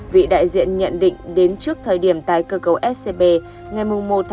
vị đại diện nhận định đến trước thời điểm tái cơ cấu scb ngày một một hai nghìn một mươi hai